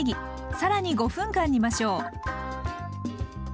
更に５分間煮ましょう。